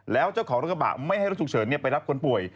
แล้วเจ้าของรถกระบะไม่ให้รถฉุกเฉินไปรับคนป่วย